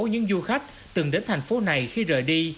những du khách từng đến thành phố này khi rời đi